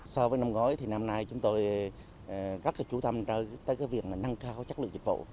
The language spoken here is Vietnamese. so với năm gói thì năm nay chúng tôi rất là chú tâm tới cái việc mà nâng cao chất lượng dịch vụ